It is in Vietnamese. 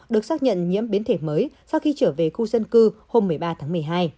được xác nhận nhiễm biến thể mới sau khi trở về khu dân cư hôm một mươi ba tháng một mươi hai